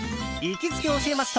行きつけ教えます！